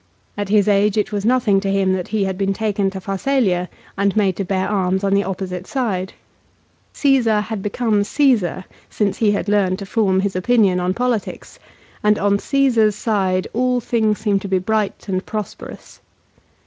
At his age it was nothing to him that he had been taken to Pharsalia and made to bear arms on the opposite side. Csesar had become Csesar since he had learned to form his opinion on politics, and on Caesar's side all things seemed to be bright and prosperous.